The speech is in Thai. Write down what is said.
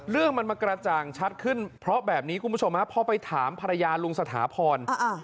เรื่องมันมากระจ่างชัดขึ้นเพราะแบบนี้คุณผู้ชมฮะพอไปถามภรรยาลุงสถาพร